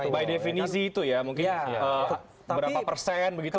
by definisi itu ya mungkin berapa persen begitu